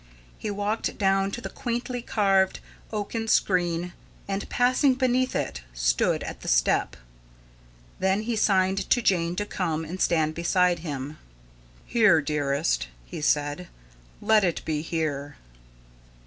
He walked down to the quaintly carved oaken screen and, passing beneath it, stood at the step. Then he signed to Jane to come and stand beside him. "Here, dearest," he said; "let it be here."